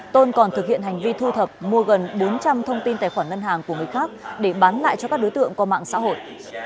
tôn còn thực hiện hành vi thu thập mua gần bốn trăm linh thông tin tài khoản ngân hàng của người khác để bán lại cho các đối tượng qua mạng xã hội